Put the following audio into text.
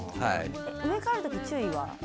植え替える時の注意点は？